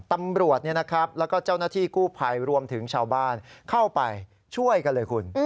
ตำรวจแล้วก็เจ้าหน้าที่กู้ภัยรวมถึงชาวบ้านเข้าไปช่วยกันเลยคุณ